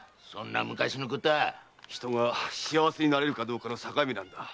人が幸せになれるかどうかの境目なのだ。